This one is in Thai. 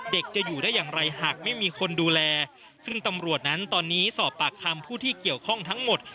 เด็กจะอยู่ได้อย่างไรหากไม่มีคนดูแลซึ่งตำรวจนั้นตอนนี้สอบปากคำผู้ที่เกี่ยวข้องทั้งหมด